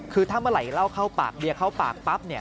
คือถ้าเมื่อไหลเล่าเข้าปากเดี๋ยวเข้าปากปั๊บ